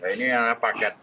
ini adalah paket